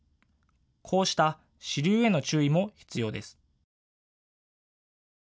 こうした支流への注意も必要です。